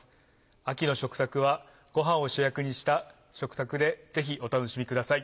秋の食卓はごはんを主役にした食卓でぜひお楽しみください。